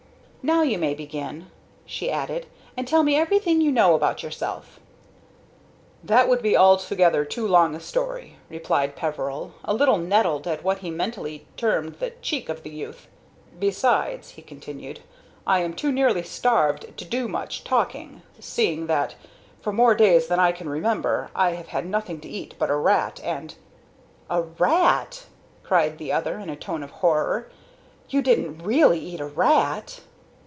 "Now you may begin," she added, "and tell me everything you know about yourself." "That would be altogether too long a story," replied Peveril, a little nettled at what he mentally termed the cheek of the youth. "Besides," he continued, "I am too nearly starved to do much talking, seeing that, for more days than I can remember, I have had nothing to eat but a rat, and " "A rat!" cried the other, in a tone of horror. "You didn't really eat a rat?"